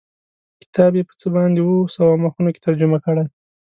کتاب یې په څه باندې اووه سوه مخونو کې ترجمه کړی.